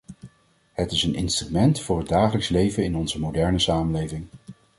Het is een instrument voor het dagelijks leven in onze moderne samenleving.